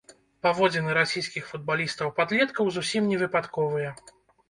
Паводзіны расійскіх футбалістаў-падлеткаў зусім не выпадковыя.